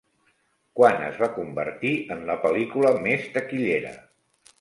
Quan es va convertir en la pel·lícula més taquillera?